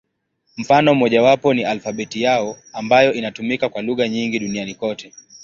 Mfano mmojawapo ni alfabeti yao, ambayo inatumika kwa lugha nyingi duniani kote.